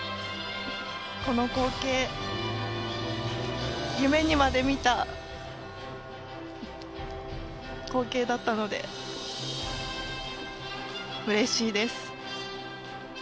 この光景夢にまで見た光景だったのでうれしいです。